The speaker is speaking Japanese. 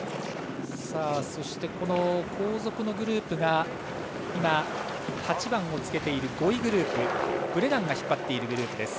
そしてこの後続のグループが今、８番をつけている５位グループブレナンが引っ張っています。